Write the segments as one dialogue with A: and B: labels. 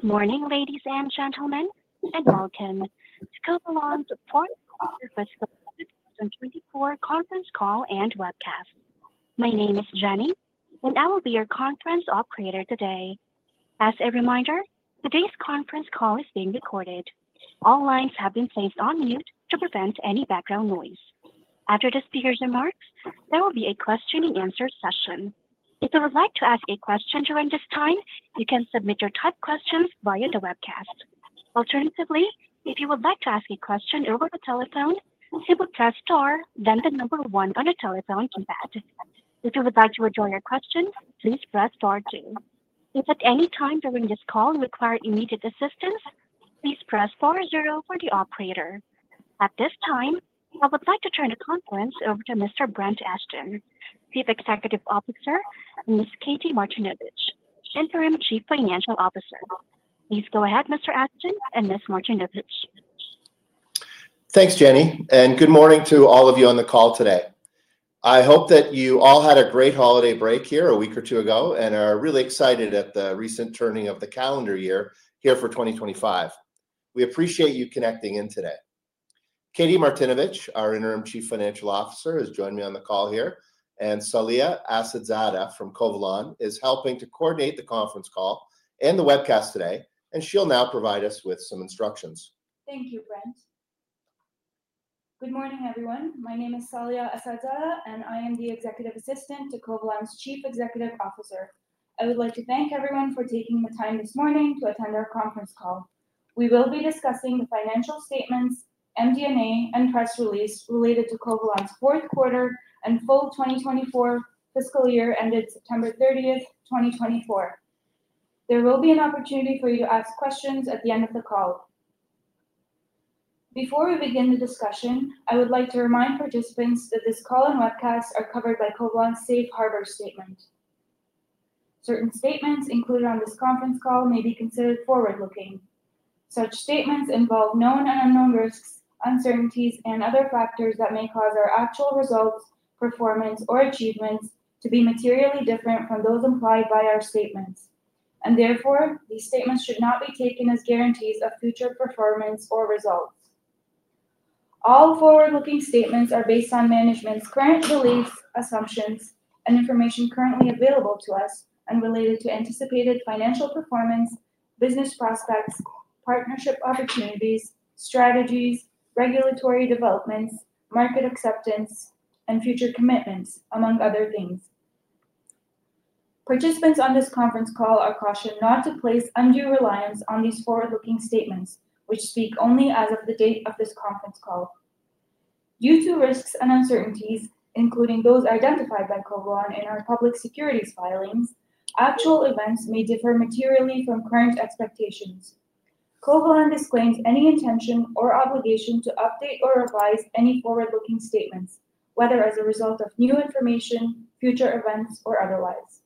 A: Good morning, ladies and gentlemen, and Welcome to Covalon's 2024 conference call and webcast. My name is Jenny, and I will be your conference operator today. As a reminder, today's conference call is being recorded. All lines have been placed on mute to prevent any background noise. After the speaker's remarks, there will be a question-and-answer session. If you would like to ask a question during this time, you can submit your typed questions via the webcast. Alternatively, if you would like to ask a question over the telephone, simply press star, then the number one on the telephone keypad. If you would like to withdraw your question, please press star two. If at any time during this call you require immediate assistance, please press star zero for the operator. At this time, I would like to turn the conference over to Mr. Brent Ashton, Chief Executive Officer, and Ms. Katie Martinovich, Interim Chief Financial Officer. Please go ahead, Mr. Ashton and Ms. Martinovich.
B: Thanks, Jenny, and good morning to all of you on the call today. I hope that you all had a great holiday break here a week or two ago and are really excited at the recent turning of the calendar year here for 2025. We appreciate you connecting in today. Katie Martinovich, our Interim Chief Financial Officer, has joined me on the call here, and Saleha Assadzada from Covalon is helping to coordinate the conference call and the webcast today, and she'll now provide us with some instructions.
C: Thank you, Brent. Good morning, everyone. My name is Saleha Assadzada, and I am the Executive Assistant to Covalon's Chief Executive Officer. I would like to thank everyone for taking the time this morning to attend our conference call. We will be discussing the financial statements, MD&A, and press release related to Covalon's fourth quarter and full 2024 fiscal year ended September 30th, 2024. There will be an opportunity for you to ask questions at the end of the call. Before we begin the discussion, I would like to remind participants that this call and webcast are covered by Covalon's Safe Harbor Statement. Certain statements included on this conference call may be considered forward-looking. Such statements involve known and unknown risks, uncertainties, and other factors that may cause our actual results, performance, or achievements to be materially different from those implied by our statements. And therefore, these statements should not be taken as guarantees of future performance or results. All forward-looking statements are based on management's current beliefs, assumptions, and information currently available to us and related to anticipated financial performance, business prospects, partnership opportunities, strategies, regulatory developments, market acceptance, and future commitments, among other things. Participants on this conference call are cautioned not to place undue reliance on these forward-looking statements, which speak only as of the date of this conference call. Due to risks and uncertainties, including those identified by Covalon in our public securities filings, actual events may differ materially from current expectations. Covalon disclaims any intention or obligation to update or revise any forward-looking statements, whether as a result of new information, future events, or otherwise.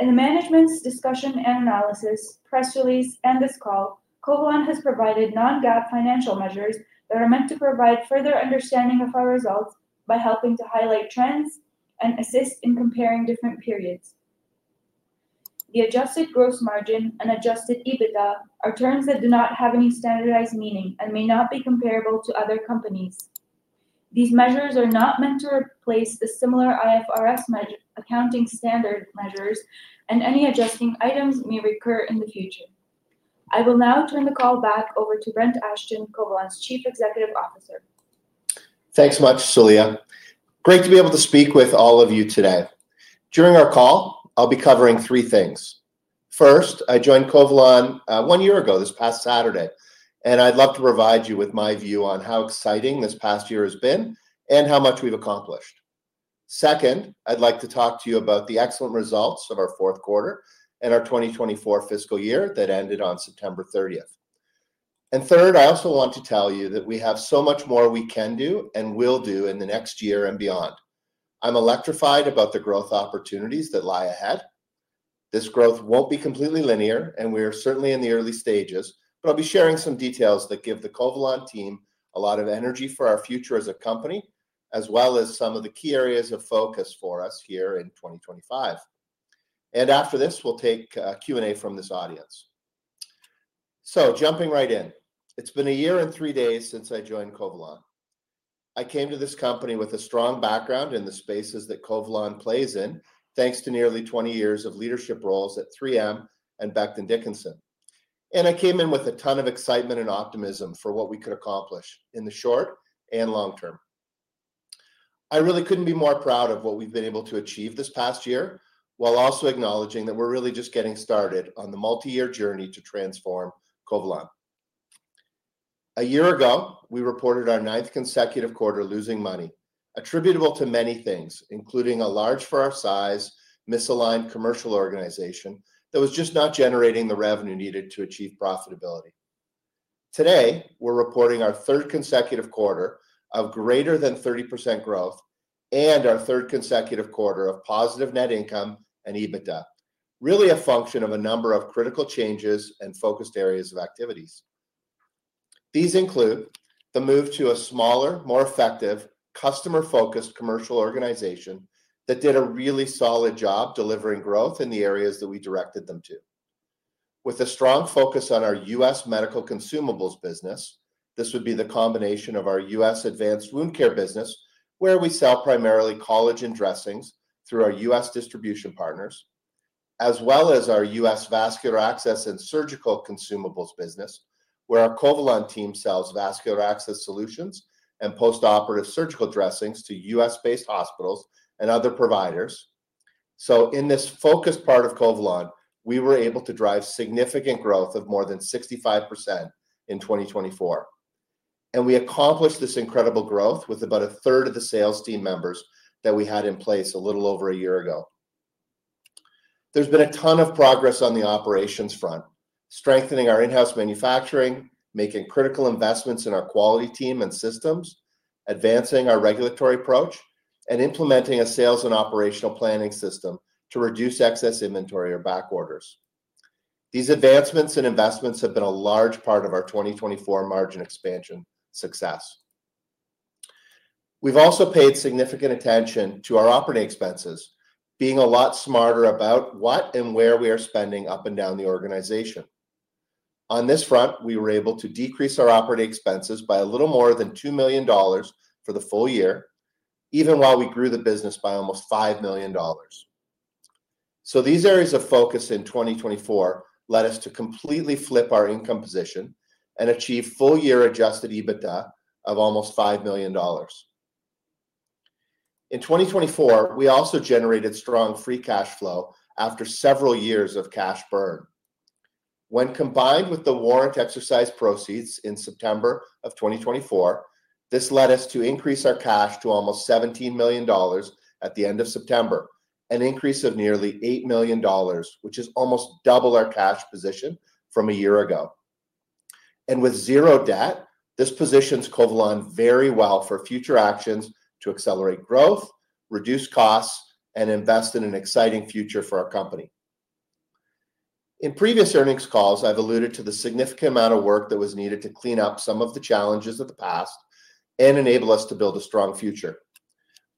C: In the Management's Discussion and Analysis, press release, and this call, Covalon has provided non-GAAP financial measures that are meant to provide further understanding of our results by helping to highlight trends and assist in comparing different periods. The adjusted gross margin and adjusted EBITDA are terms that do not have any standardized meaning and may not be comparable to other companies. These measures are not meant to replace the similar IFRS accounting standard measures, and any adjusting items may recur in the future. I will now turn the call back over to Brent Ashton, Covalon's Chief Executive Officer.
B: Thanks so much, Saleha. Great to be able to speak with all of you today. During our call, I'll be covering three things. First, I joined Covalon one year ago, this past Saturday, and I'd love to provide you with my view on how exciting this past year has been and how much we've accomplished. Second, I'd like to talk to you about the excellent results of our fourth quarter and our 2024 fiscal year that ended on September 30th. And third, I also want to tell you that we have so much more we can do and will do in the next year and beyond. I'm electrified about the growth opportunities that lie ahead. This growth won't be completely linear, and we are certainly in the early stages, but I'll be sharing some details that give the Covalon team a lot of energy for our future as a company, as well as some of the key areas of focus for us here in 2025, and after this, we'll take Q&A from this audience. So jumping right in, it's been a year and three days since I joined Covalon. I came to this company with a strong background in the spaces that Covalon plays in, thanks to nearly 20 years of leadership roles at 3M and Becton Dickinson, and I came in with a ton of excitement and optimism for what we could accomplish in the short and long term. I really couldn't be more proud of what we've been able to achieve this past year, while also acknowledging that we're really just getting started on the multi-year journey to transform Covalon. A year ago, we reported our ninth consecutive quarter losing money, attributable to many things, including a large-for-our-size, misaligned commercial organization that was just not generating the revenue needed to achieve profitability. Today, we're reporting our third consecutive quarter of greater than 30% growth and our third consecutive quarter of positive net income and EBITDA, really a function of a number of critical changes and focused areas of activities. These include the move to a smaller, more effective, customer-focused commercial organization that did a really solid job delivering growth in the areas that we directed them to. With a strong focus on our U.S. medical consumables business, this would be the combination of our U.S. advanced wound care business, where we sell primarily collagen dressings through our U.S. distribution partners, as well as our U.S. vascular access and surgical consumables business, where our Covalon team sells vascular access solutions and post-operative surgical dressings to U.S.-based hospitals and other providers. So in this focused part of Covalon, we were able to drive significant growth of more than 65% in 2024. And we accomplished this incredible growth with about a third of the sales team members that we had in place a little over a year ago. There's been a ton of progress on the operations front, strengthening our in-house manufacturing, making critical investments in our quality team and systems, advancing our regulatory approach, and implementing a sales and operational planning system to reduce excess inventory or backorders. These advancements and investments have been a large part of our 2024 margin expansion success. We've also paid significant attention to our operating expenses, being a lot smarter about what and where we are spending up and down the organization. On this front, we were able to decrease our operating expenses by a little more than $2 million for the full year, even while we grew the business by almost $5 million. So these areas of focus in 2024 led us to completely flip our income position and achieve full-year Adjusted EBITDA of almost $5 million. In 2024, we also generated strong Free Cash Flow after several years of cash burn. When combined with the warrant exercise proceeds in September of 2024, this led us to increase our cash to almost $17 million at the end of September, an increase of nearly $8 million, which is almost double our cash position from a year ago. And with zero debt, this positions Covalon very well for future actions to accelerate growth, reduce costs, and invest in an exciting future for our company. In previous earnings calls, I've alluded to the significant amount of work that was needed to clean up some of the challenges of the past and enable us to build a strong future.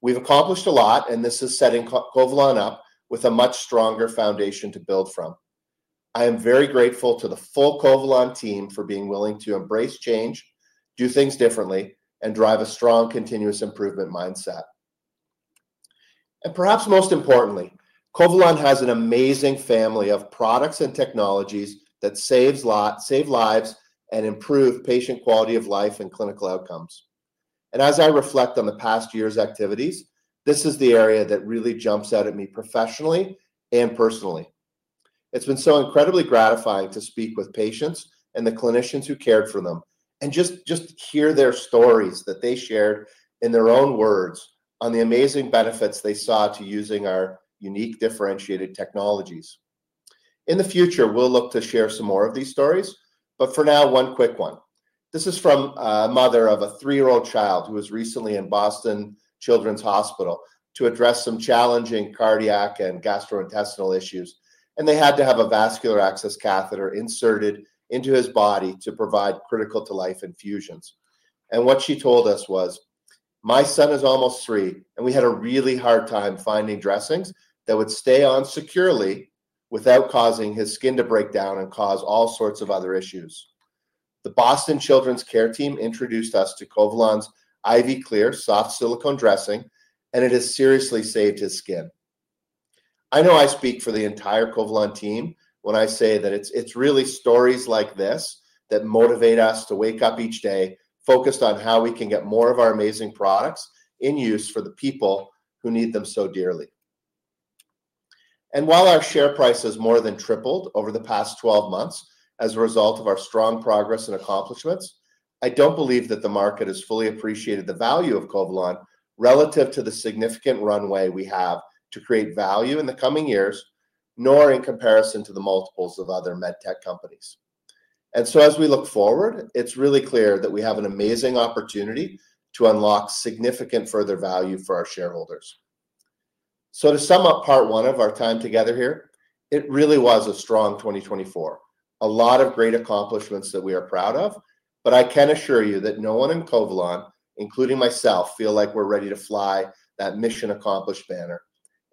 B: We've accomplished a lot, and this is setting Covalon up with a much stronger foundation to build from. I am very grateful to the full Covalon team for being willing to embrace change, do things differently, and drive a strong continuous improvement mindset. And perhaps most importantly, Covalon has an amazing family of products and technologies that save lives and improve patient quality of life and clinical outcomes. And as I reflect on the past year's activities, this is the area that really jumps out at me professionally and personally. It's been so incredibly gratifying to speak with patients and the clinicians who cared for them and just hear their stories that they shared in their own words on the amazing benefits they saw to using our unique differentiated technologies. In the future, we'll look to share some more of these stories, but for now, one quick one. This is from a mother of a three-year-old child who was recently in Boston Children's Hospital to address some challenging cardiac and gastrointestinal issues, and they had to have a vascular access catheter inserted into his body to provide critical-to-life infusions. And what she told us was, "My son is almost three, and we had a really hard time finding dressings that would stay on securely without causing his skin to break down and cause all sorts of other issues. The Boston Children's care team introduced us to Covalon's IV Clear soft silicone dressing, and it has seriously saved his skin." I know I speak for the entire Covalon team when I say that it's really stories like this that motivate us to wake up each day focused on how we can get more of our amazing products in use for the people who need them so dearly. And while our share price has more than tripled over the past 12 months as a result of our strong progress and accomplishments, I don't believe that the market has fully appreciated the value of Covalon relative to the significant runway we have to create value in the coming years, nor in comparison to the multiples of other medtech companies. And so as we look forward, it's really clear that we have an amazing opportunity to unlock significant further value for our shareholders. So to sum up part one of our time together here, it really was a strong 2024. A lot of great accomplishments that we are proud of, but I can assure you that no one in Covalon, including myself, feels like we're ready to fly that mission accomplished banner.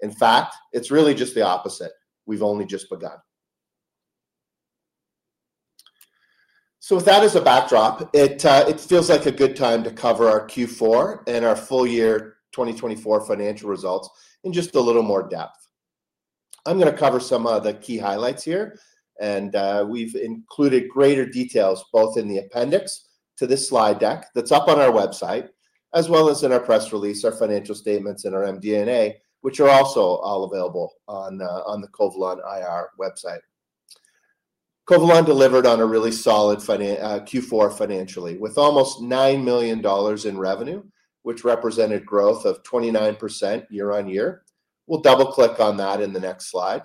B: In fact, it's really just the opposite. We've only just begun. So with that as a backdrop, it feels like a good time to cover our Q4 and our full-year 2024 financial results in just a little more depth. I'm going to cover some of the key highlights here, and we've included greater details both in the appendix to this slide deck that's up on our website, as well as in our press release, our financial statements, and our MD&A, which are also all available on the Covalon IR website. Covalon delivered on a really solid Q4 financially with almost $9 million in revenue, which represented growth of 29% year-on-year. We'll double-click on that in the next slide.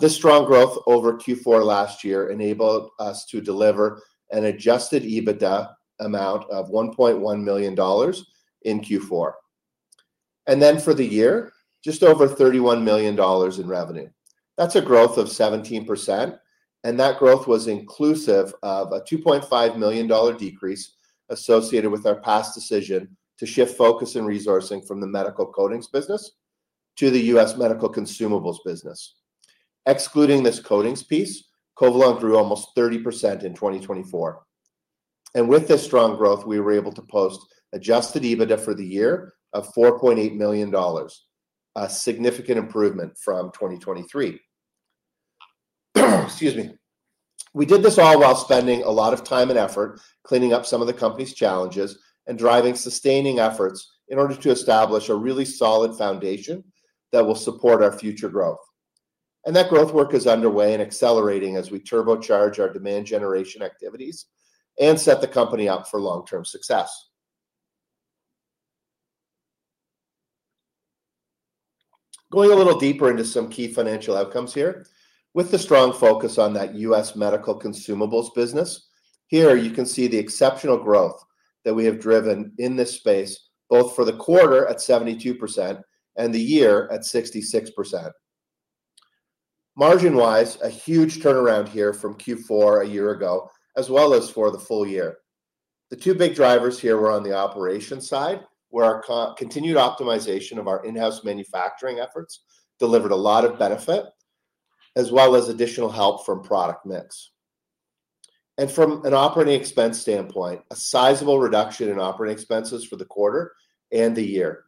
B: This strong growth over Q4 last year enabled us to deliver an Adjusted EBITDA amount of $1.1 million in Q4, and then for the year, just over $31 million in revenue. That's a growth of 17%, and that growth was inclusive of a $2.5 million decrease associated with our past decision to shift focus and resourcing from the medical coatings business to the U.S. medical consumables business. Excluding this coatings piece, Covalon grew almost 30% in 2024, and with this strong growth, we were able to post Adjusted EBITDA for the year of $4.8 million, a significant improvement from 2023. Excuse me. We did this all while spending a lot of time and effort cleaning up some of the company's challenges and driving sustaining efforts in order to establish a really solid foundation that will support our future growth, and that growth work is underway and accelerating as we turbocharge our demand generation activities and set the company up for long-term success. Going a little deeper into some key financial outcomes here, with the strong focus on that U.S. medical consumables business, here you can see the exceptional growth that we have driven in this space, both for the quarter at 72% and the year at 66%. Margin-wise, a huge turnaround here from Q4 a year ago, as well as for the full year. The two big drivers here were on the operation side, where our continued optimization of our in-house manufacturing efforts delivered a lot of benefit, as well as additional help from product mix, and from an operating expense standpoint, a sizable reduction in operating expenses for the quarter and the year.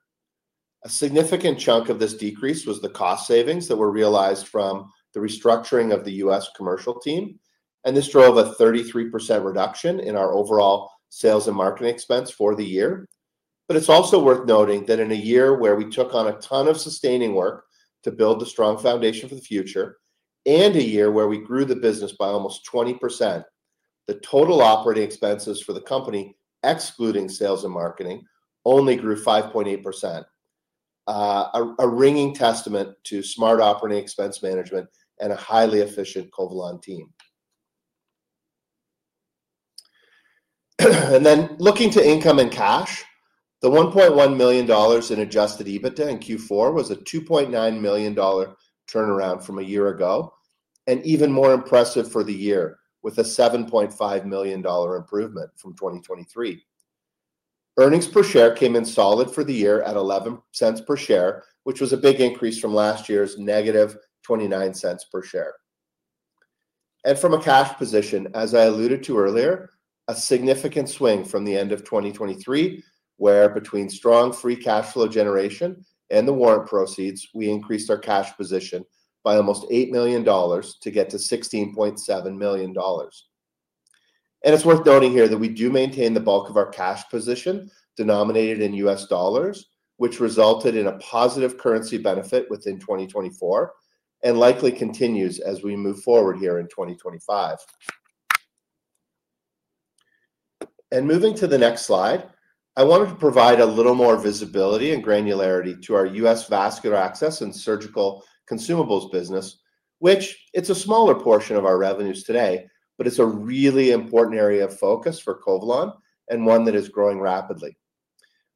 B: A significant chunk of this decrease was the cost savings that were realized from the restructuring of the U.S. commercial team, and this drove a 33% reduction in our overall sales and marketing expense for the year. But it's also worth noting that in a year where we took on a ton of sustaining work to build a strong foundation for the future, and a year where we grew the business by almost 20%, the total operating expenses for the company, excluding sales and marketing, only grew 5.8%. A ringing testament to smart operating expense management and a highly efficient Covalon team. And then looking to income and cash, the $1.1 million in adjusted EBITDA in Q4 was a $2.9 million turnaround from a year ago, and even more impressive for the year with a $7.5 million improvement from 2023. Earnings per share came in solid for the year at $0.11 per share, which was a big increase from last year's -$0.29 per share. From a cash position, as I alluded to earlier, a significant swing from the end of 2023, where between strong free cash flow generation and the warrant proceeds, we increased our cash position by almost $8 million to get to $16.7 million. It's worth noting here that we do maintain the bulk of our cash position denominated in U.S. dollars, which resulted in a positive currency benefit within 2024 and likely continues as we move forward here in 2025. Moving to the next slide, I wanted to provide a little more visibility and granularity to our U.S. vascular access and surgical consumables business, which it's a smaller portion of our revenues today, but it's a really important area of focus for Covalon and one that is growing rapidly.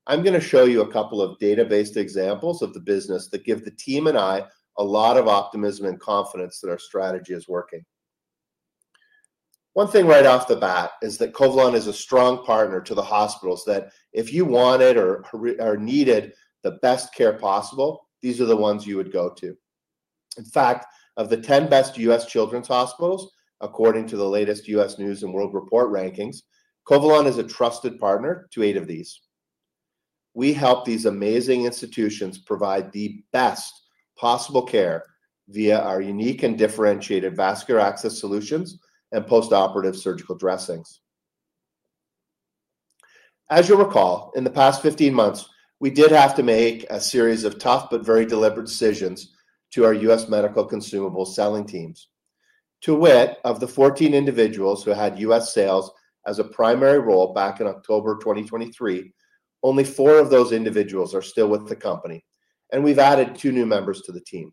B: I'm going to show you a couple of data-based examples of the business that give the team and I a lot of optimism and confidence that our strategy is working. One thing right off the bat is that Covalon is a strong partner to the hospitals that, if you wanted or needed the best care possible, these are the ones you would go to. In fact, of the 10 best U.S. children's hospitals, according to the latest U.S. News & World Report rankings, Covalon is a trusted partner to eight of these. We help these amazing institutions provide the best possible care via our unique and differentiated vascular access solutions and post-operative surgical dressings. As you'll recall, in the past 15 months, we did have to make a series of tough but very deliberate decisions to our U.S. medical consumables selling teams. To wit, of the 14 individuals who had U.S. sales as a primary role back in October 2023, only four of those individuals are still with the company, and we've added two new members to the team.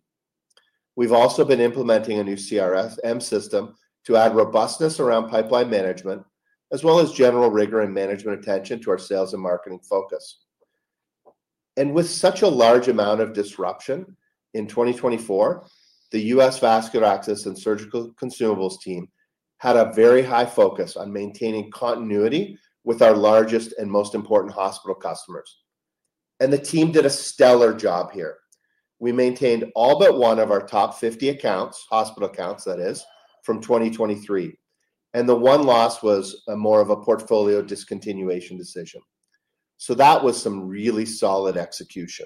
B: We've also been implementing a new CRM system to add robustness around pipeline management, as well as general rigor and management attention to our sales and marketing focus. And with such a large amount of disruption in 2024, the U.S. vascular access and surgical consumables team had a very high focus on maintaining continuity with our largest and most important hospital customers. And the team did a stellar job here. We maintained all but one of our top 50 accounts, hospital accounts, that is, from 2023. And the one loss was more of a portfolio discontinuation decision. So that was some really solid execution.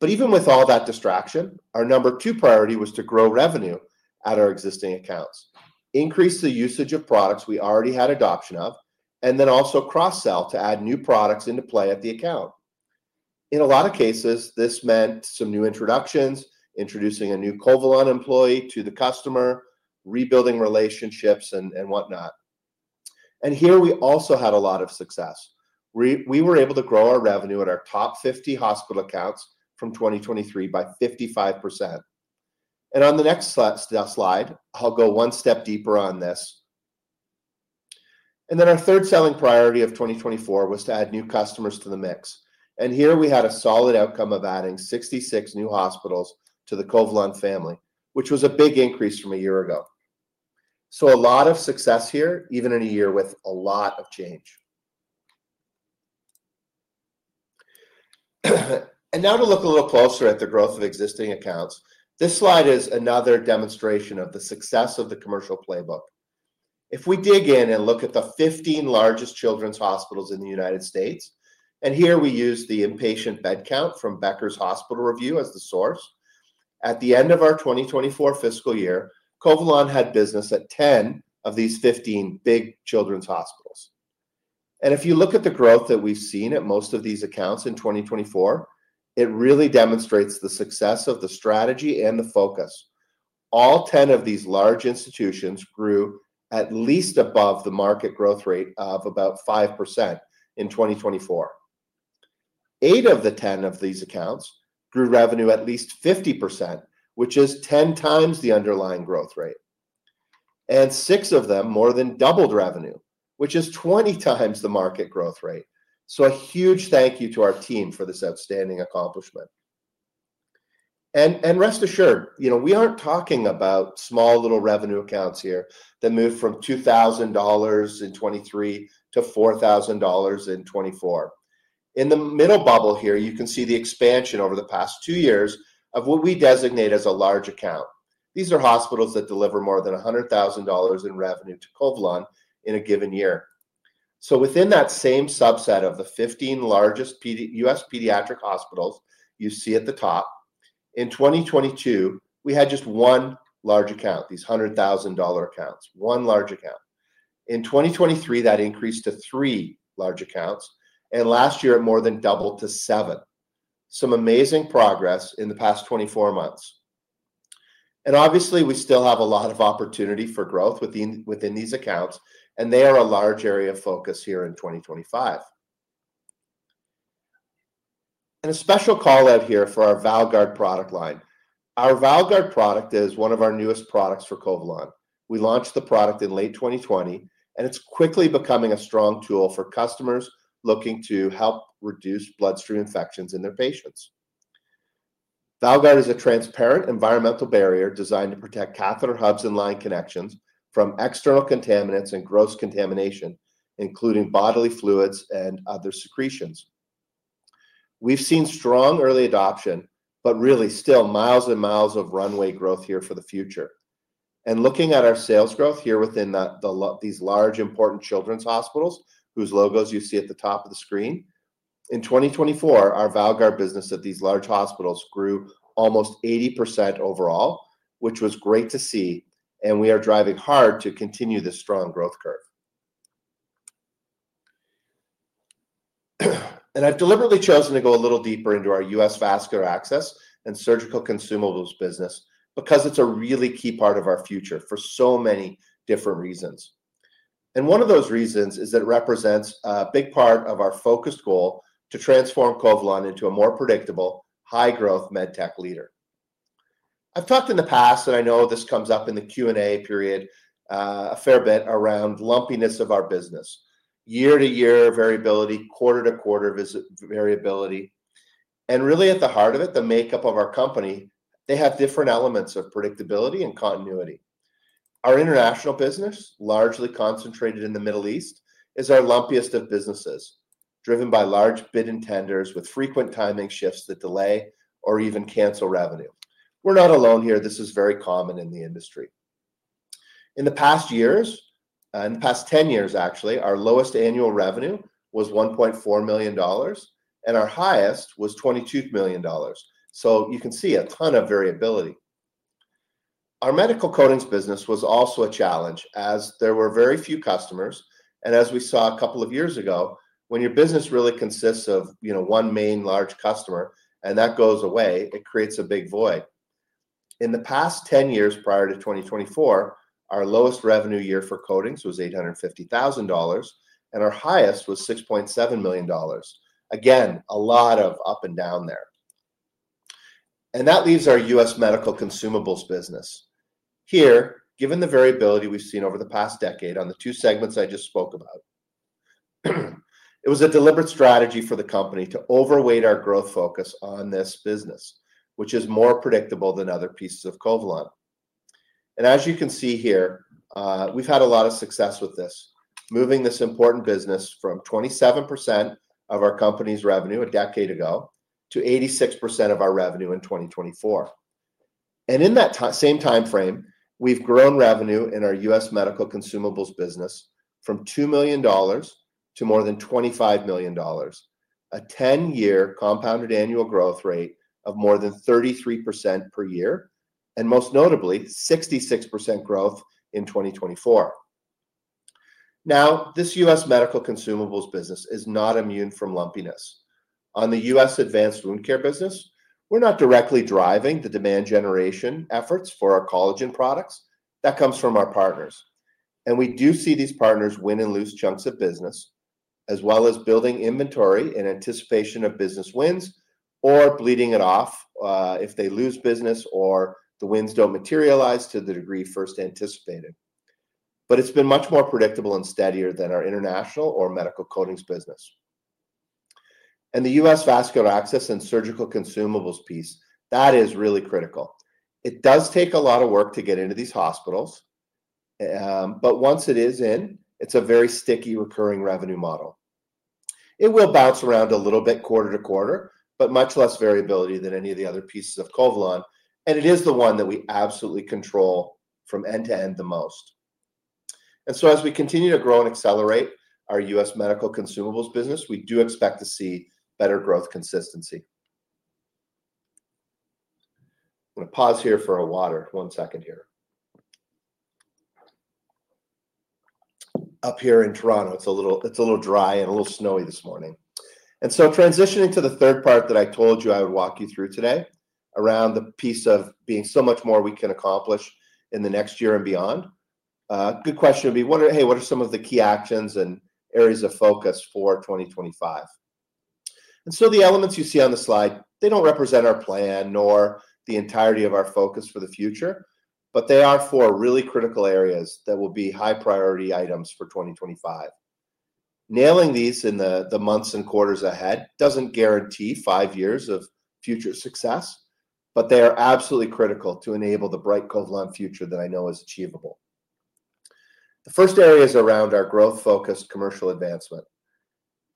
B: But even with all that distraction, our number two priority was to grow revenue at our existing accounts, increase the usage of products we already had adoption of, and then also cross-sell to add new products into play at the account. In a lot of cases, this meant some new introductions, introducing a new Covalon employee to the customer, rebuilding relationships and whatnot. And here we also had a lot of success. We were able to grow our revenue at our top 50 hospital accounts from 2023 by 55%. And on the next slide, I'll go one step deeper on this. And then our third selling priority of 2024 was to add new customers to the mix. And here we had a solid outcome of adding 66 new hospitals to the Covalon family, which was a big increase from a year ago. So a lot of success here, even in a year with a lot of change. And now to look a little closer at the growth of existing accounts, this slide is another demonstration of the success of the commercial playbook. If we dig in and look at the 15 largest children's hospitals in the United States, and here we use the inpatient bed count from Becker's Hospital Review as the source, at the end of our 2024 fiscal year, Covalon had business at 10 of these 15 big children's hospitals. And if you look at the growth that we've seen at most of these accounts in 2024, it really demonstrates the success of the strategy and the focus. All 10 of these large institutions grew at least above the market growth rate of about 5% in 2024. Eight of the 10 of these accounts grew revenue at least 50%, which is 10x the underlying growth rate. And six of them more than doubled revenue, which is 20x the market growth rate. So a huge thank you to our team for this outstanding accomplishment. And rest assured, we aren't talking about small little revenue accounts here that moved from $2,000 in 2023 to $4,000 in 2024. In the middle bubble here, you can see the expansion over the past two years of what we designate as a large account. These are hospitals that deliver more than $100,000 in revenue to Covalon in a given year. So within that same subset of the 15 largest U.S. pediatric hospitals you see at the top, in 2022, we had just one large account, these $100,000 accounts, one large account. In 2023, that increased to three large accounts, and last year, it more than doubled to seven. Some amazing progress in the past 24 months. Obviously, we still have a lot of opportunity for growth within these accounts, and they are a large area of focus here in 2025. A special call out here for our ValGuard product line. Our ValGuard product is one of our newest products for Covalon. We launched the product in late 2020, and it's quickly becoming a strong tool for customers looking to help reduce bloodstream infections in their patients. ValGuard is a transparent environmental barrier designed to protect catheter hubs and line connections from external contaminants and gross contamination, including bodily fluids and other secretions. We've seen strong early adoption, but really still miles and miles of runway growth here for the future. Looking at our sales growth here within these large important children's hospitals, whose logos you see at the top of the screen, in 2024, our ValGuard business at these large hospitals grew almost 80% overall, which was great to see, and we are driving hard to continue this strong growth curve. I've deliberately chosen to go a little deeper into our U.S. vascular access and surgical consumables business because it's a really key part of our future for so many different reasons. One of those reasons is that it represents a big part of our focused goal to transform Covalon into a more predictable, high-growth medtech leader. I've talked in the past, and I know this comes up in the Q&A period a fair bit around lumpiness of our business, year to year variability, quarter to quarter variability. Really at the heart of it, the makeup of our company, they have different elements of predictability and continuity. Our international business, largely concentrated in the Middle East, is our lumpiest of businesses, driven by large bids and tenders with frequent timing shifts that delay or even cancel revenue. We're not alone here. This is very common in the industry. In the past years, in the past 10 years, actually, our lowest annual revenue was $1.4 million, and our highest was $22 million. So you can see a ton of variability. Our medical coatings business was also a challenge as there were very few customers. And as we saw a couple of years ago, when your business really consists of one main large customer, and that goes away, it creates a big void. In the past 10 years prior to 2024, our lowest revenue year for coatings was $850,000, and our highest was $6.7 million. Again, a lot of up and down there, and that leaves our U.S. medical consumables business. Here, given the variability we've seen over the past decade on the two segments I just spoke about, it was a deliberate strategy for the company to overweight our growth focus on this business, which is more predictable than other pieces of Covalon, and as you can see here, we've had a lot of success with this, moving this important business from 27% of our company's revenue a decade ago to 86% of our revenue in 2024, and in that same timeframe, we've grown revenue in our U.S. medical consumables business from $2 million to more than $25 million, a 10-year compounded annual growth rate of more than 33% per year, and most notably, 66% growth in 2024. Now, this U.S. medical consumables business is not immune from lumpiness. On the U.S. advanced wound care business, we're not directly driving the demand generation efforts for our collagen products. That comes from our partners. And we do see these partners win and lose chunks of business, as well as building inventory in anticipation of business wins or bleeding it off if they lose business or the wins don't materialize to the degree first anticipated. But it's been much more predictable and steadier than our international or medical coatings business. And the U.S. vascular access and surgical consumables piece, that is really critical. It does take a lot of work to get into these hospitals, but once it is in, it's a very sticky recurring revenue model. It will bounce around a little bit quarter to quarter, but much less variability than any of the other pieces of Covalon, and it is the one that we absolutely control from end to end the most, and so as we continue to grow and accelerate our U.S. medical consumables business, we do expect to see better growth consistency. I'm going to pause here for a water, one second here. Up here in Toronto, it's a little dry and a little snowy this morning. And so transitioning to the third part that I told you I would walk you through today around the piece of being so much more we can accomplish in the next year and beyond, a good question would be, hey, what are some of the key actions and areas of focus for 2025? And so the elements you see on the slide, they don't represent our plan nor the entirety of our focus for the future, but they are for really critical areas that will be high-priority items for 2025. Nailing these in the months and quarters ahead doesn't guarantee five years of future success, but they are absolutely critical to enable the bright Covalon future that I know is achievable. The first area is around our growth-focused commercial advancement.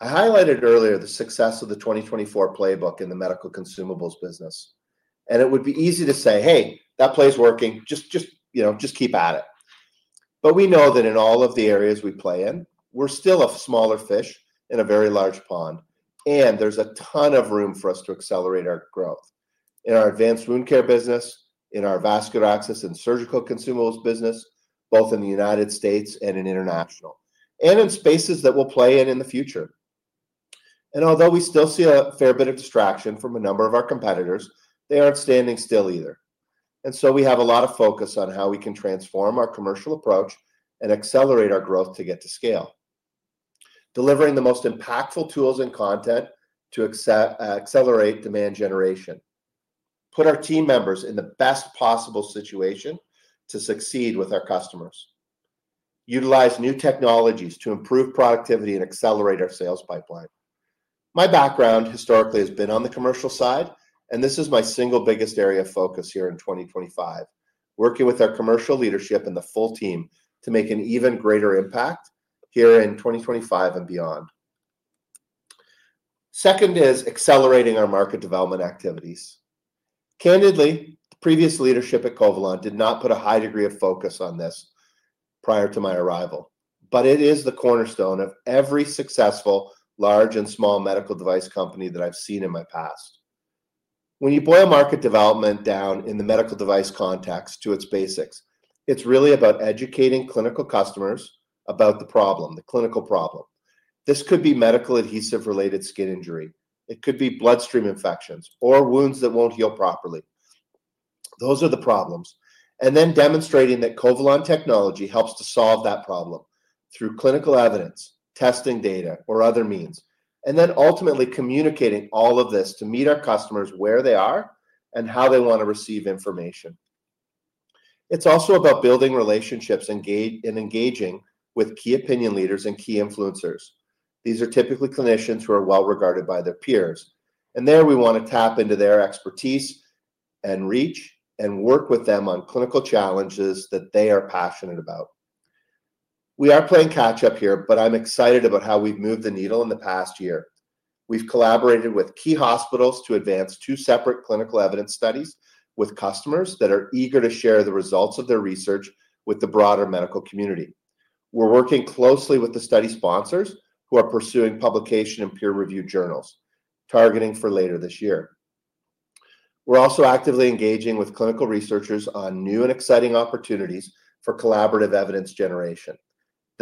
B: I highlighted earlier the success of the 2024 playbook in the medical consumables business, and it would be easy to say, hey, that play's working, just keep at it. But we know that in all of the areas we play in, we're still a smaller fish in a very large pond, and there's a ton of room for us to accelerate our growth in our advanced wound care business, in our vascular access and surgical consumables business, both in the United States and in international, and in spaces that we will play in in the future, and although we still see a fair bit of distraction from a number of our competitors, they aren't standing still either. And so we have a lot of focus on how we can transform our commercial approach and accelerate our growth to get to scale, delivering the most impactful tools and content to accelerate demand generation, put our team members in the best possible situation to succeed with our customers, utilize new technologies to improve productivity and accelerate our sales pipeline. My background historically has been on the commercial side, and this is my single biggest area of focus here in 2025, working with our commercial leadership and the full team to make an even greater impact here in 2025 and beyond. Second is accelerating our market development activities. Candidly, previous leadership at Covalon did not put a high degree of focus on this prior to my arrival, but it is the cornerstone of every successful large and small medical device company that I've seen in my past. When you boil market development down in the medical device context to its basics, it's really about educating clinical customers about the problem, the clinical problem. This could be medical adhesive-related skin injury. It could be bloodstream infections or wounds that won't heal properly. Those are the problems. And then demonstrating that Covalon technology helps to solve that problem through clinical evidence, testing data, or other means. And then ultimately communicating all of this to meet our customers where they are and how they want to receive information. It's also about building relationships and engaging with key opinion leaders and key influencers. These are typically clinicians who are well regarded by their peers. And there we want to tap into their expertise and reach and work with them on clinical challenges that they are passionate about. We are playing catch-up here, but I'm excited about how we've moved the needle in the past year. We've collaborated with key hospitals to advance two separate clinical evidence studies with customers that are eager to share the results of their research with the broader medical community. We're working closely with the study sponsors who are pursuing publication in peer-reviewed journals, targeting for later this year. We're also actively engaging with clinical researchers on new and exciting opportunities for collaborative evidence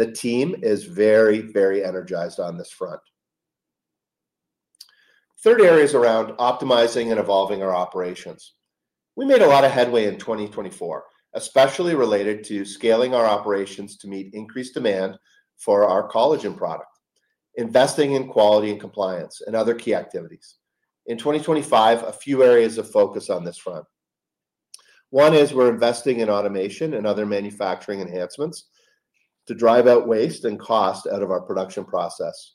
B: generation. The team is very, very energized on this front. Third area is around optimizing and evolving our operations. We made a lot of headway in 2024, especially related to scaling our operations to meet increased demand for our collagen product, investing in quality and compliance, and other key activities. In 2025, a few areas of focus on this front. One is we're investing in automation and other manufacturing enhancements to drive out waste and cost out of our production process.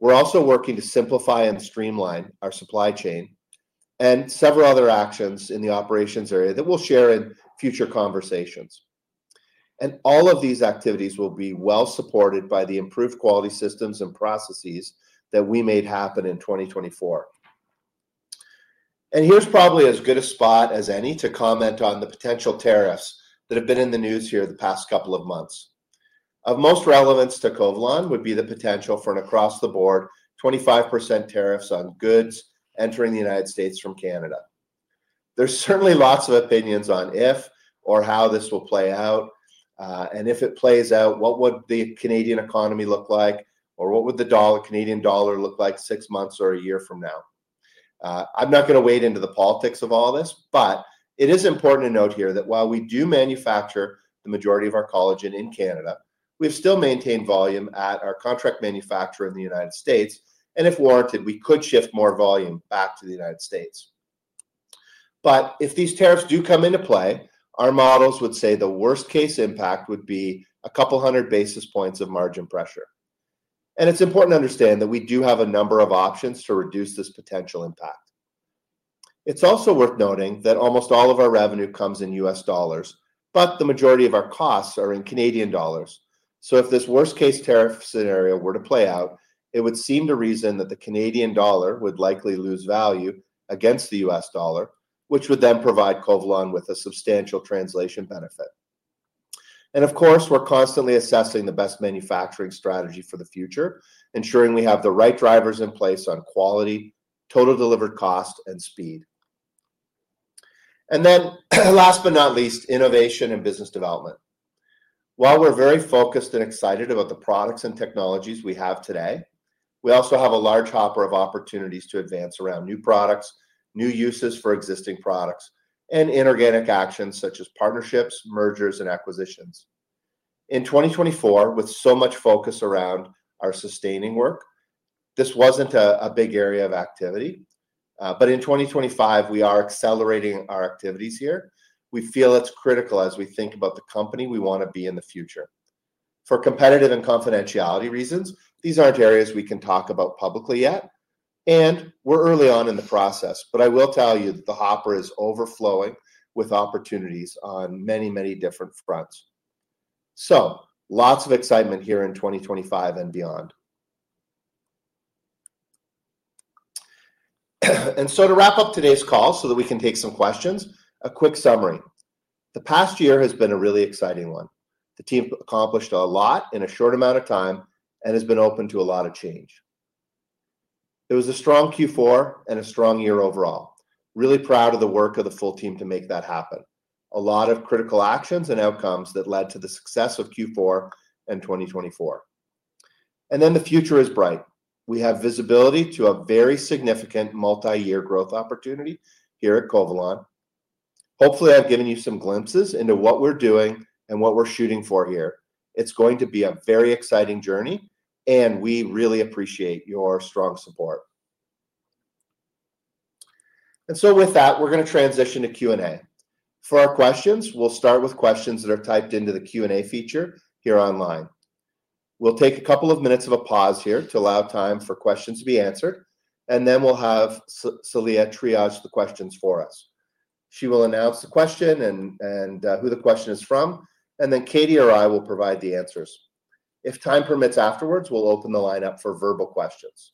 B: We're also working to simplify and streamline our supply chain and several other actions in the operations area that we'll share in future conversations. And all of these activities will be well supported by the improved quality systems and processes that we made happen in 2024. And here's probably as good a spot as any to comment on the potential tariffs that have been in the news here the past couple of months. Of most relevance to Covalon would be the potential for an across-the-board 25% tariffs on goods entering the United States from Canada. There's certainly lots of opinions on if or how this will play out. And if it plays out, what would the Canadian economy look like, or what would the Canadian dollar look like six months or a year from now? I'm not going to wade into the politics of all this, but it is important to note here that while we do manufacture the majority of our collagen in Canada, we've still maintained volume at our contract manufacturer in the United States. And if warranted, we could shift more volume back to the United States. But if these tariffs do come into play, our models would say the worst-case impact would be a couple hundred basis points of margin pressure. And it's important to understand that we do have a number of options to reduce this potential impact. It's also worth noting that almost all of our revenue comes in U.S. dollars, but the majority of our costs are in Canadian dollars. So if this worst-case tariff scenario were to play out, it would seem to reason that the Canadian dollar would likely lose value against the U.S. dollar, which would then provide Covalon with a substantial translation benefit. And of course, we're constantly assessing the best manufacturing strategy for the future, ensuring we have the right drivers in place on quality, total delivered cost, and speed. And then last but not least, innovation and business development. While we're very focused and excited about the products and technologies we have today, we also have a large hopper of opportunities to advance around new products, new uses for existing products, and inorganic actions such as partnerships, mergers, and acquisitions. In 2024, with so much focus around our sustaining work, this wasn't a big area of activity. But in 2025, we are accelerating our activities here. We feel it's critical as we think about the company we want to be in the future. For competitive and confidentiality reasons, these aren't areas we can talk about publicly yet, and we're early on in the process. But I will tell you that the hopper is overflowing with opportunities on many, many different fronts. So lots of excitement here in 2025 and beyond. And so to wrap up today's call so that we can take some questions, a quick summary. The past year has been a really exciting one. The team accomplished a lot in a short amount of time and has been open to a lot of change. It was a strong Q4 and a strong year overall. Really proud of the work of the full team to make that happen. A lot of critical actions and outcomes that led to the success of Q4 and 2024. And then the future is bright. We have visibility to a very significant multi-year growth opportunity here at Covalon. Hopefully, I've given you some glimpses into what we're doing and what we're shooting for here. It's going to be a very exciting journey, and we really appreciate your strong support. And so with that, we're going to transition to Q&A. For our questions, we'll start with questions that are typed into the Q&A feature here online. We'll take a couple of minutes of a pause here to allow time for questions to be answered, and then we'll have Saleha triage the questions for us. She will announce the question and who the question is from, and then Katie or I will provide the answers. If time permits afterwards, we'll open the line up for verbal questions.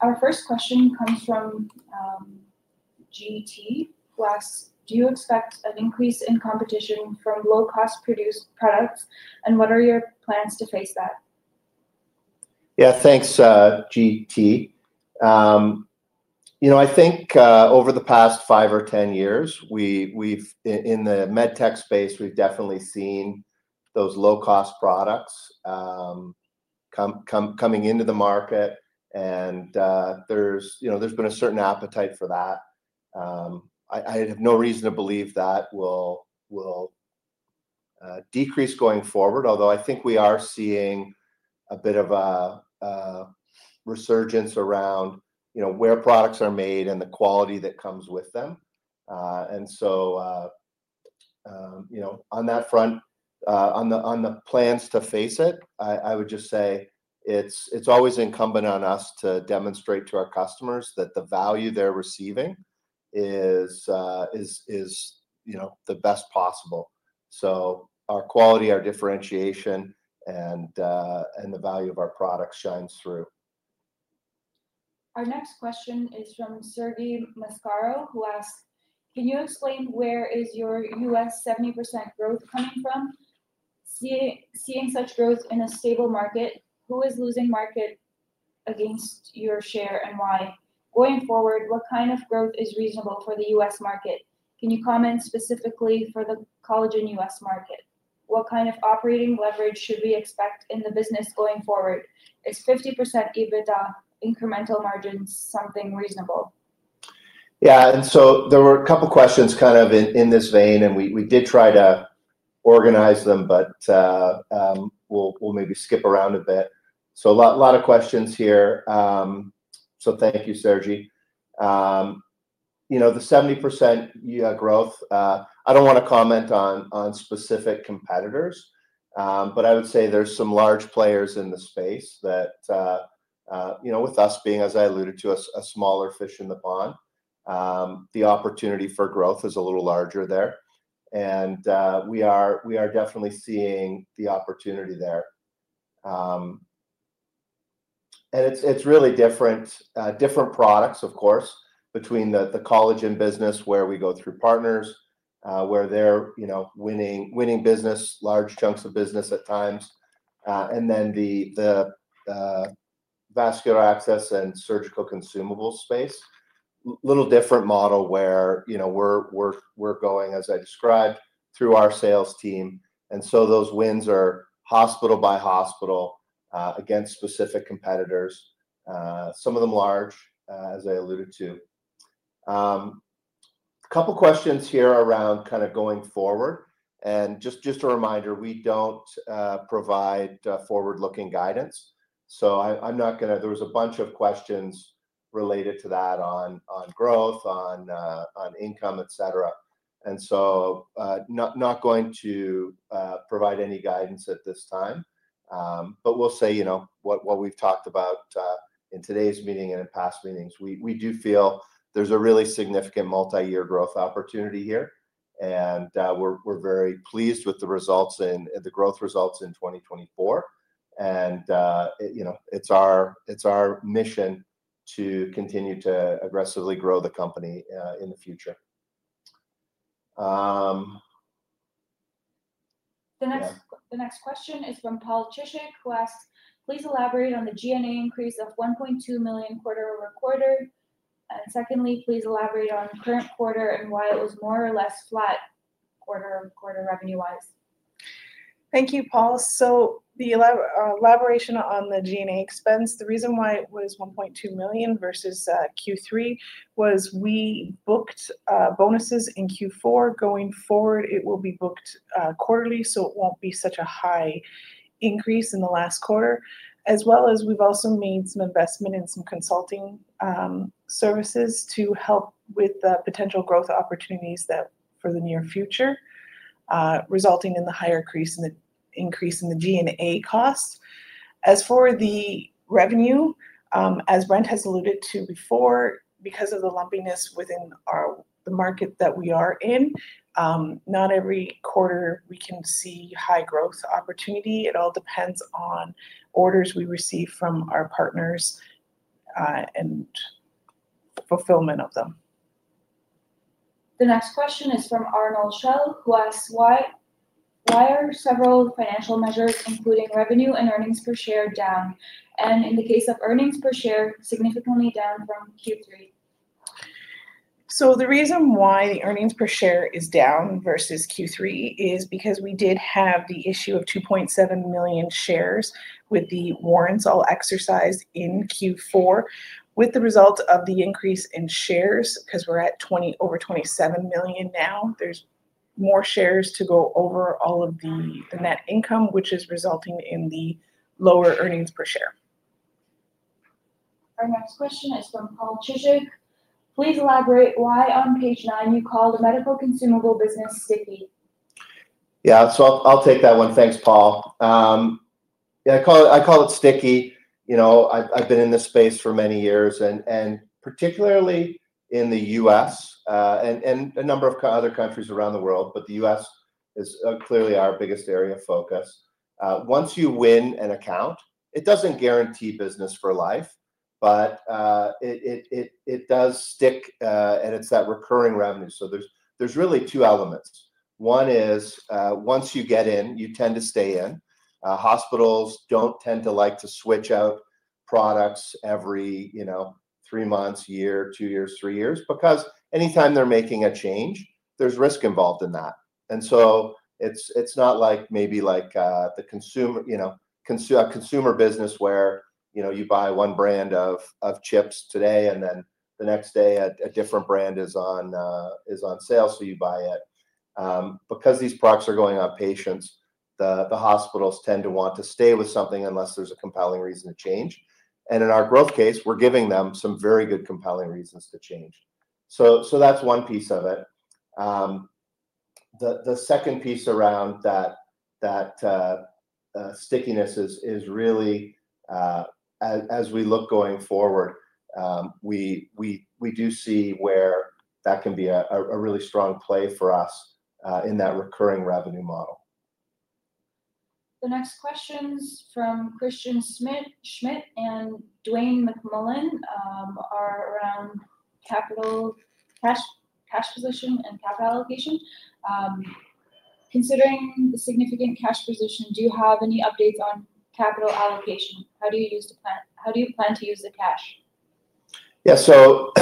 C: Our first question comes from GT. Do you expect an increase in competition from low-cost products, and what are your plans to face that?
B: Yeah, thanks, GT. I think over the past five or ten years, in the medtech space, we've definitely seen those low-cost products coming into the market. And there's been a certain appetite for that. I have no reason to believe that will decrease going forward, although I think we are seeing a bit of a resurgence around where products are made and the quality that comes with them. And so on that front, on the plans to face it, I would just say it's always incumbent on us to demonstrate to our customers that the value they're receiving is the best possible. So our quality, our differentiation, and the value of our product shines through.
C: Our next question is from Sergi Mascaro, who asked, "Can you explain where is your U.S. 70% growth coming from? Seeing such growth in a stable market, who is losing market against your share and why? Going forward, what kind of growth is reasonable for the U.S. market? Can you comment specifically for the collagen U.S. market? What kind of operating leverage should we expect in the business going forward? Is 50% EBITDA incremental margins something reasonable?
B: Yeah, and so there were a couple questions kind of in this vein, and we did try to organize them, but we'll maybe skip around a bit. So a lot of questions here. So thank you, Sergi. The 70% growth, I don't want to comment on specific competitors, but I would say there's some large players in the space that, with us being, as I alluded to, a smaller fish in the pond, the opportunity for growth is a little larger there. And we are definitely seeing the opportunity there. And it's really different products, of course, between the collagen business where we go through partners, where they're winning business, large chunks of business at times, and then the vascular access and surgical consumables space. A little different model where we're going, as I described, through our sales team. And so those wins are hospital by hospital against specific competitors, some of them large, as I alluded to. A couple questions here around kind of going forward. And just a reminder, we don't provide forward-looking guidance. So I'm not going to. There was a bunch of questions related to that on growth, on income, etc. And so not going to provide any guidance at this time. But we'll say what we've talked about in today's meeting and in past meetings. We do feel there's a really significant multi-year growth opportunity here. We're very pleased with the results and the growth results in 2024. It's our mission to continue to aggressively grow the company in the future.
C: The next question is from Paul Chisick, who asked, "Please elaborate on the G&A increase of 1.2 million quarter over quarter. And secondly, please elaborate on current quarter and why it was more or less flat quarter over quarter revenue-wise."
D: Thank you, Paul. The elaboration on the G&A expense, the reason why it was $1.2 million versus Q3 was we booked bonuses in Q4. Going forward, it will be booked quarterly, so it won't be such a high increase in the last quarter. As well as we've also made some investment in some consulting services to help with potential growth opportunities for the near future, resulting in the higher increase in the G&A cost. As for the revenue, as Brent has alluded to before, because of the lumpiness within the market that we are in, not every quarter we can see high growth opportunity. It all depends on orders we receive from our partners and fulfillment of them.
C: The next question is from Arnold Shell, who asked, "Why are several financial measures, including revenue and earnings per share, down? And in the case of earnings per share, significantly down from Q3?"
D: So the reason why the earnings per share is down versus Q3 is because we did have the issue of 2.7 million shares with the warrants all exercised in Q4. With the result of the increase in shares, because we're at over 27 million now, there's more shares to go over all of the net income, which is resulting in the lower earnings per share.
C: Our next question is from Paul Chisick. Please elaborate why on page nine you called a medical consumable business sticky."
B: Yeah, so I'll take that one. Thanks, Paul. Yeah, I call it sticky. I've been in this space for many years, and particularly in the U.S. and a number of other countries around the world, but the U.S. is clearly our biggest area of focus. Once you win an account, it doesn't guarantee business for life, but it does stick, and it's that recurring revenue. So there's really two elements. One is once you get in, you tend to stay in. Hospitals don't tend to like to switch out products every three months, year, two years, three years, because anytime they're making a change, there's risk involved in that. And so it's not like maybe like a consumer business where you buy one brand of chips today, and then the next day a different brand is on sale, so you buy it. Because these products are going on patients, the hospitals tend to want to stay with something unless there's a compelling reason to change. And in our growth case, we're giving them some very good compelling reasons to change. So that's one piece of it. The second piece around that stickiness is really, as we look going forward, we do see where that can be a really strong play for us in that recurring revenue model.
C: The next question is from Christian Schmidt and Dwayne McMullen are around capital cash position and capital allocation. "Considering the significant cash position, do you have any updates on capital allocation? How do you use the plan? How do you plan to use the cash?"
B: Yeah, so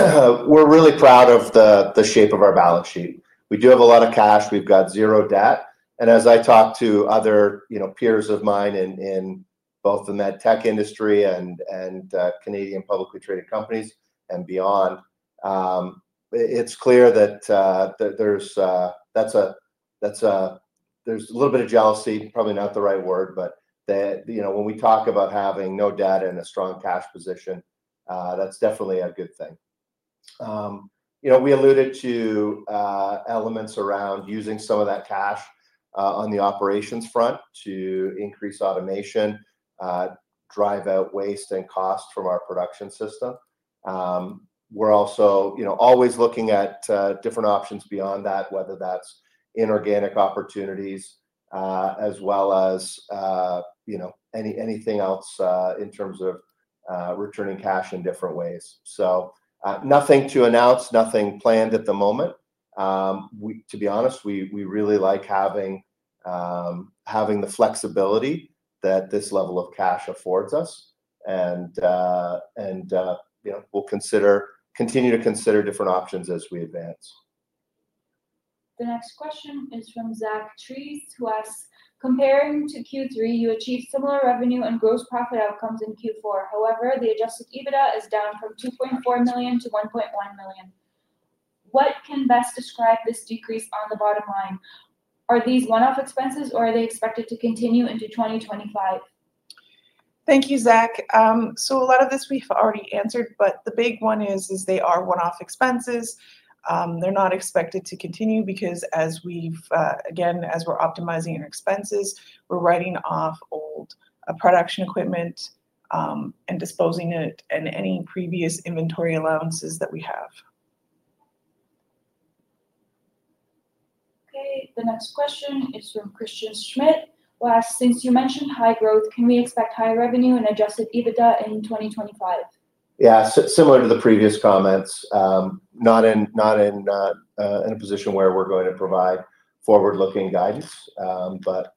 B: we're really proud of the shape of our balance sheet. We do have a lot of cash. We've got zero debt. And as I talk to other peers of mine in both the medtech industry and Canadian publicly traded companies and beyond, it's clear that there's a little bit of jealousy, probably not the right word, but when we talk about having no debt and a strong cash position, that's definitely a good thing. We alluded to elements around using some of that cash on the operations front to increase automation, drive out waste and cost from our production system. We're also always looking at different options beyond that, whether that's inorganic opportunities as well as anything else in terms of returning cash in different ways. So nothing to announce, nothing planned at the moment. To be honest, we really like having the flexibility that this level of cash affords us. And we'll continue to consider different options as we advance.
C: The next question is from Zach Treece who asked, "Comparing to Q3, you achieved similar revenue and gross profit outcomes in Q4. However, the Adjusted EBITDA is down from $2.4 million to $1.1 million. What can best describe this decrease on the bottom line? Are these one-off expenses, or are they expected to continue into 2025?"
D: Thank you, Zach. So a lot of this we've already answered, but the big one is they are one-off expenses. They're not expected to continue because, again, as we're optimizing our expenses, we're writing off old production equipment and disposing of any previous inventory allowances that we have.
C: Okay, the next question is from Christian Schmidt who asked, "Since you mentioned high growth, can we expect high revenue and Adjusted EBITDA in 2025?"
B: Yeah, similar to the previous comments. Not in a position where we're going to provide forward-looking guidance, but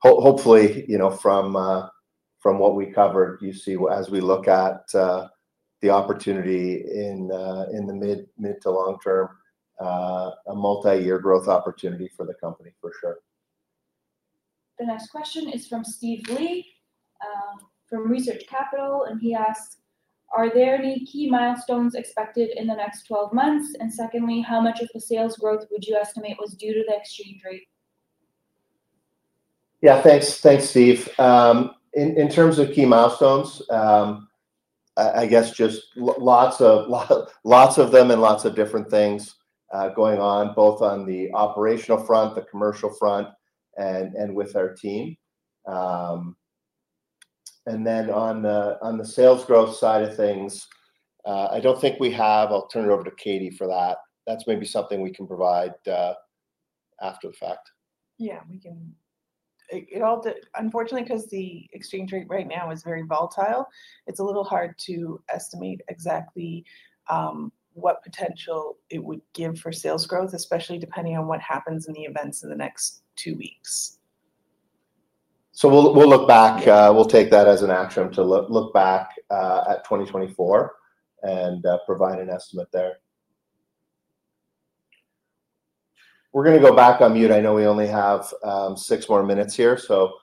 B: hopefully, from what we covered, you see as we look at the opportunity in the mid to long term, a multi-year growth opportunity for the company, for sure.
C: The next question is from Steve Li from Research Capital, and he asked, "Are there any key milestones expected in the next 12 months? And secondly, how much of the sales growth would you estimate was due to the exchange rate?"
B: Yeah, thanks, Steve. In terms of key milestones, I guess just lots of them and lots of different things going on, both on the operational front, the commercial front, and with our team. And then on the sales growth side of things, I don't think we have. I'll turn it over to Katie for that. That's maybe something we can provide after the fact. Yeah, we can.
D: Unfortunately, because the exchange rate right now is very volatile, it's a little hard to estimate exactly what potential it would give for sales growth, especially depending on what happens in the events in the next two weeks.
B: So we'll look back. We'll take that as an action to look back at 2024 and provide an estimate there. We're going to go back on mute. I know we only have six more minutes here. So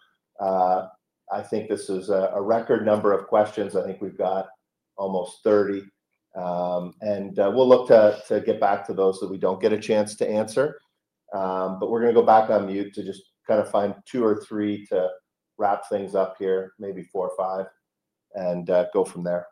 B: I think this is a record number of questions. I think we've got almost 30. And we'll look to get back to those that we don't get a chance to answer. But we're going to go back on mute to just kind of find two or three to wrap things up here, maybe four or five, and go from there.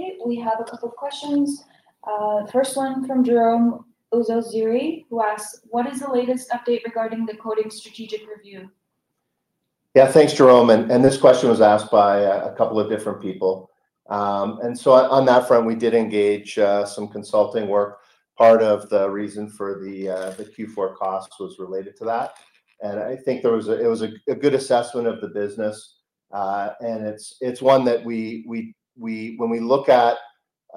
C: Okay, we have a couple of questions. The first one from Jerome Ozoziri who asked, "What is the latest update regarding the ongoing strategic review?"
B: Yeah, thanks, Jerome. And this question was asked by a couple of different people. And so on that front, we did engage some consulting work. Part of the reason for the Q4 costs was related to that. And I think it was a good assessment of the business. And it's one that when we look at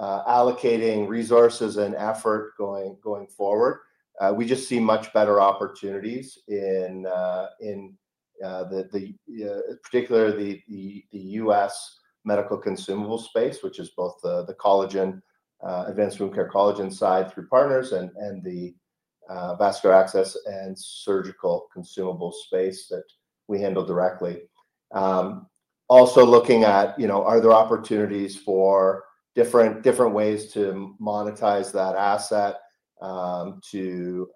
B: allocating resources and effort going forward, we just see much better opportunities in particular the U.S. medical consumable space, which is both the advanced wound care collagen side through partners and the vascular access and surgical consumable space that we handle directly. Also looking at, are there opportunities for different ways to monetize that asset, to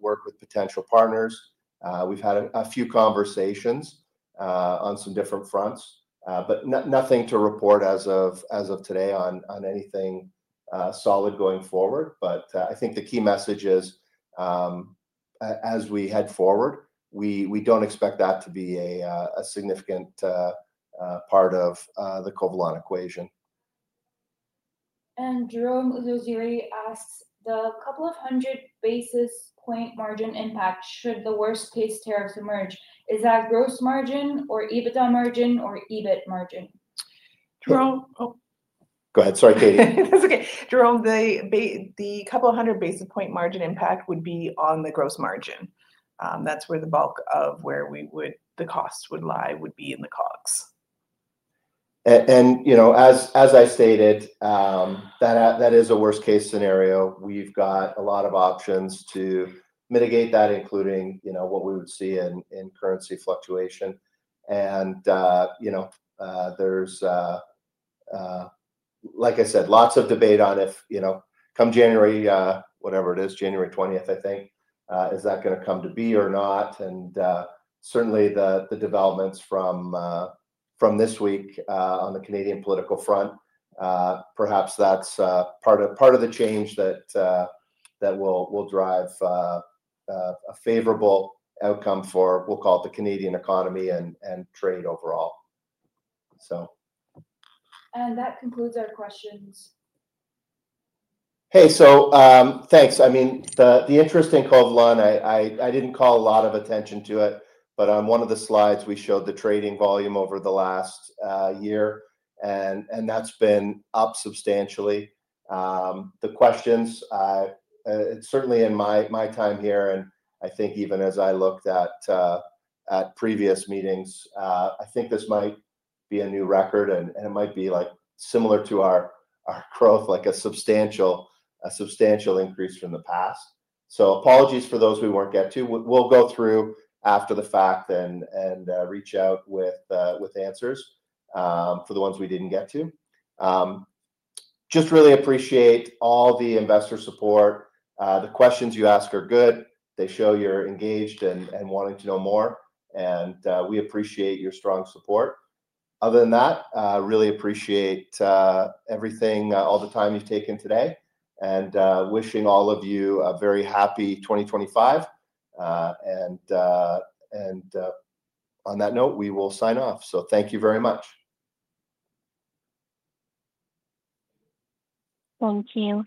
B: work with potential partners? We've had a few conversations on some different fronts, but nothing to report as of today on anything solid going forward. But I think the key message is, as we head forward, we don't expect that to be a significant part of the Covalon equation.
C: And Jerome Ozoziri asked, "The couple of hundred basis points margin impact should the worst-case tariffs emerge. Is that gross margin or EBITDA margin or EBIT margin?"
D: Jerome?
B: Go ahead. Sorry, Katie.
D: That's okay. Jerome, the couple of hundred basis points margin impact would be on the gross margin. That's where the bulk of where the costs would lie would be in the COGS.
B: And as I stated, that is a worst-case scenario. We've got a lot of options to mitigate that, including what we would see in currency fluctuation. And there's, like I said, lots of debate on if come January, whatever it is, January 20th, I think, is that going to come to be or not? And certainly, the developments from this week on the Canadian political front, perhaps that's part of the change that will drive a favorable outcome for, we'll call it, the Canadian economy and trade overall, so. And that concludes our questions. Hey, so thanks. I mean, the interest in Covalon, I didn't call a lot of attention to it, but on one of the slides, we showed the trading volume over the last year, and that's been up substantially. The questions, certainly in my time here, and I think even as I looked at previous meetings, I think this might be a new record, and it might be similar to our growth, like a substantial increase from the past. So apologies for those we weren't able to get to. We'll go through after the fact and reach out with answers for the ones we didn't get to. Just really appreciate all the investor support. The questions you ask are good. They show you're engaged and wanting to know more. And we appreciate your strong support. Other than that, really appreciate everything, all the time you've taken today, and wishing all of you a very happy 2025. And on that note, we will sign off. So thank you very much.
A: Thank you.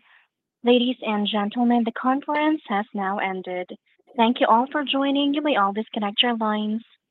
A: Ladies and gentlemen, the conference has now ended. Thank you all for joining. You may all disconnect your lines.